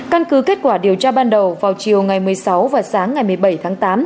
căn cứ kết quả điều tra ban đầu vào chiều ngày một mươi sáu và sáng ngày một mươi bảy tháng tám